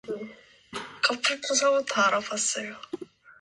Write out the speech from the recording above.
산다는 것 그것은 치열한 전투이다.